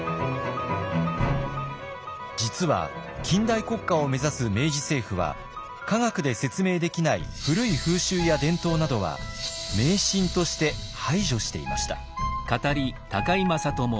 実は近代国家を目指す明治政府は科学で説明できない古い風習や伝統などは迷信として排除していました。